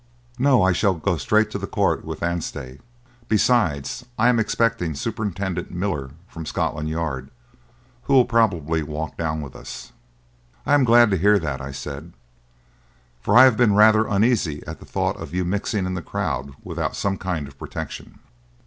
"No. I shall go straight to the court with Anstey. Besides, I am expecting Superintendent Miller from Scotland Yard, who will probably walk down with us." "I am glad to hear that," I said; "for I have been rather uneasy at the thought of your mixing in the crowd without some kind of protection."